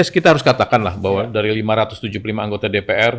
kita harus katakanlah bahwa dari lima ratus tujuh puluh lima anggota dpr